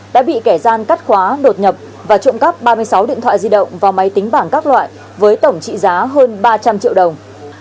đã bị kẻ gian cắt khóa đột nhập và trộm cắp ba mươi sáu điện thoại di động và máy tính bảng các loại với tổng trị giá hơn ba trăm linh triệu đồng